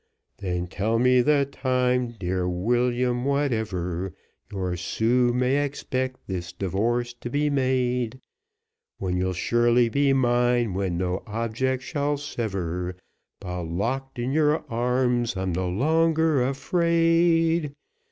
"Then tell me the time, dear William, whenever Your Sue may expect this divorce to be made; When you'll surely be mine, when no object shall sever, But locked in your arms I'm no longer afraid."